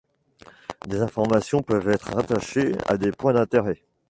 Des informations peuvent être rattachées à des points d'intérêt.